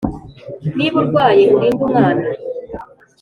Niba urwaye urinde umwana